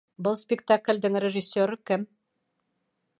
Был спектаклдең режиссеры кем?